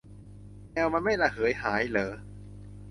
แอลมันไม่ระเหยหายเหรอ